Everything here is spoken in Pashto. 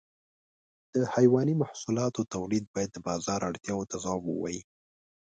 د حيواني محصولاتو تولید باید د بازار اړتیاو ته ځواب ووایي.